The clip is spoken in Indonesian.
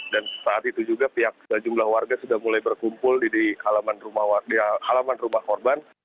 dan saat itu juga pihak sejumlah warga sudah mulai berkumpul di alaman rumah korban